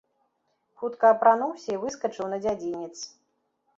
Хутка апрануўся і выскачыў на дзядзінец.